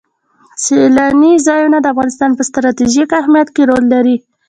سیلانی ځایونه د افغانستان په ستراتیژیک اهمیت کې رول لري.